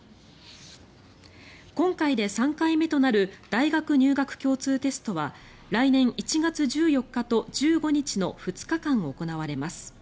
今回で３回目となる大学入学共通テストは来年１月１４日と１５日の２日間行われます。